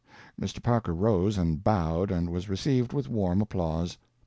p095.jpg (18K) Mr. Parker rose and bowed, and was received with warm applause.